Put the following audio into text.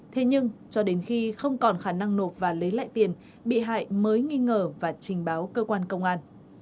thế nhưng cho đến khi không còn khả năng nộp và lấy lại tiền bị hại mới nghi ngờ và trình báo cơ quan công an